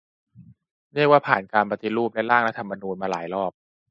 เรียกว่าผ่าน "การปฏิรูป" และ "ร่างรัฐธรรมนูญ" มาหลายรอบ